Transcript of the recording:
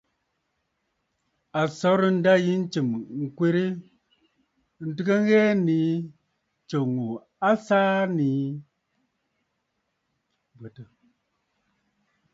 A sɔrə̀ ǹdâ yì ntsɨ̀m ŋ̀kwerə ntɨgə ŋghɛɛ nii tso ŋù a saa nii.